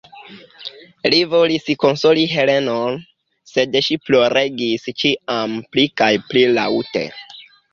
Li volis konsoli Helenon, sed ŝi ploregis ĉiam pli kaj pli laŭte.